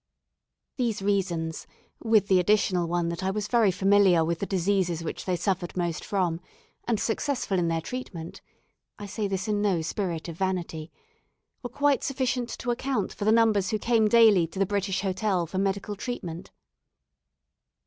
These reasons, with the additional one that I was very familiar with the diseases which they suffered most from, and successful in their treatment (I say this in no spirit of vanity), were quite sufficient to account for the numbers who came daily to the British Hotel for medical treatment.